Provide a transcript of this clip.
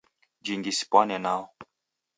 Jingi sipwane nao.